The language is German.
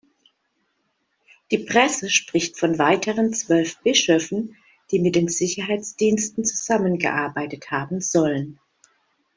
Die Presse spricht von weiteren zwölf Bischöfen, die mit den Sicherheitsdiensten zusammengearbeitet haben sollen.